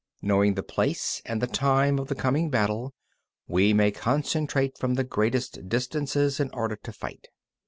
19. Knowing the place and the time of the coming battle, we may concentrate from the greatest distances in order to fight.